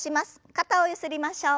肩をゆすりましょう。